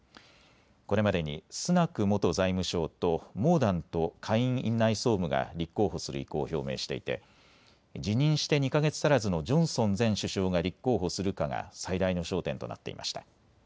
これまでにスナク元財務相とモーダント下院院内総務が立候補する意向を表明していて辞任して２か月足らずのジョンソン前首相が立候補するかが最大の焦点となっていました。